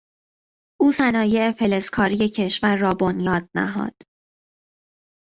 او صنایع فلزکاری کشور را بنیاد نهاد.